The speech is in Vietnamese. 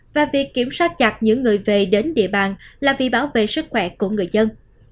và việc kiểm soát chặt những người về đến địa bàn là vì bảo vệ sức khỏe của người dân